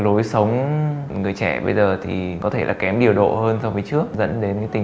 lối sống người trẻ bây giờ thì có thể là kém điều độ hơn so với trước dẫn đến tình